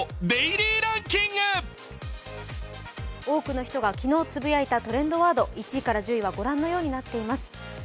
多くの人が昨日つぶやいたトレンドワード、１位から１０位は御覧のようになっています。